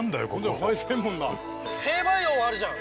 兵馬俑あるじゃん！